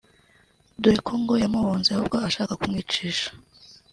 dore ko ngo yamuhunze ahubwo ashaka kumwicisha